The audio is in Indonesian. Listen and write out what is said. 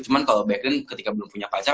cuman kalau belakangan ketika belum punya pacar